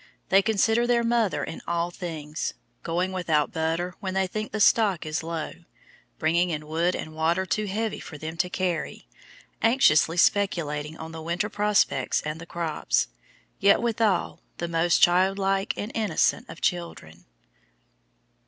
They consider their mother in all things, going without butter when they think the stock is low, bringing in wood and water too heavy for them to carry, anxiously speculating on the winter prospect and the crops, yet withal the most childlike and innocent of children.